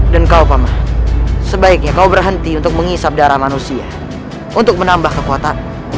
dan kau pamah sebaiknya kau berhenti untuk menghisap darah manusia untuk menambah kekuatan